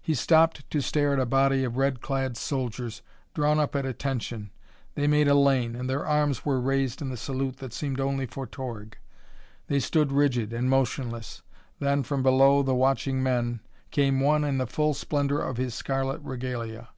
He stopped to stare at a body of red clad soldiers, drawn up at attention. They made a lane, and their arms were raised in the salute that seemed only for Torg. They stood rigid and motionless; then, from below the watching men, came one in the full splendor of his scarlet regalia.